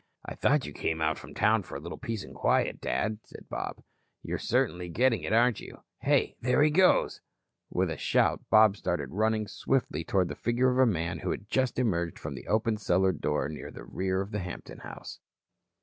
"I thought you came out from town for a little peace and quiet, Dad," said Bob. "You're certainly getting it, aren't you? Hey. There he goes." And with a shout, Bob started running swiftly toward the figure of a man who had just emerged from the open cellar door at the rear of the Hampton house.